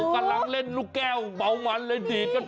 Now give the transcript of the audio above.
กำลังเล่นลูกแก้วเบามันเลยดีดกัน